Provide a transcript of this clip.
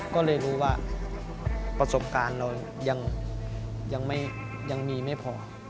ก็เลยรู้ว่าประสบการณ์เรายังมีไม่พอ